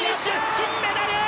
金メダル！